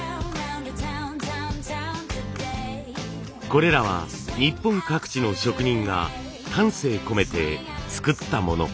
これらは日本各地の職人が丹精込めて作ったもの。